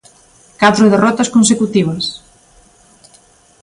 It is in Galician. Catro derrotas consecutivas.